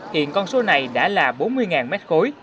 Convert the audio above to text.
hiện con số này đã là bốn mươi mét khối